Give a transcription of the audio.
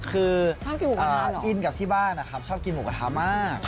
ชอบกินหมูกระทะหรออินกับที่บ้านแหละครับชอบกินหมูกระทะมาก